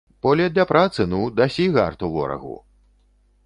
Поле для працы, ну, дасі гарту ворагу!